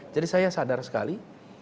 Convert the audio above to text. jadi saya sadar sekali